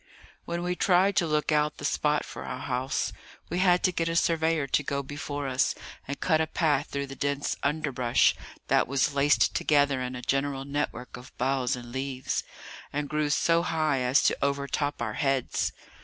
When we tried to look out the spot for our house, we had to get a surveyor to go before us and cut a path through the dense underbrush that was laced together in a general network of boughs and leaves, and grew so high as to overtop our heads.